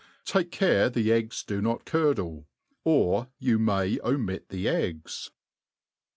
Take care the eggs do not <;urdle ; or you may omit the eggs.